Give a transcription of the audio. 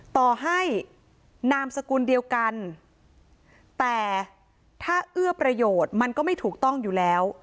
ต่อให้นามสกุลเดียวกันแต่ถ้าเอื้อประโยชน์มันก็ไม่ถูกต้องอยู่แล้ว